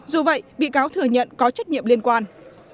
dù vậy bị cáo thừa nhận có trách nhiệm liên quan